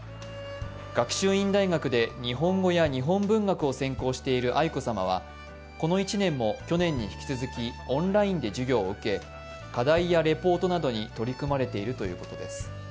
学習院大学で日本語や日本文学を専攻している愛子さまは、この１年もオンラインで授業を受け、課題やレポートなどに取り組まれているということです。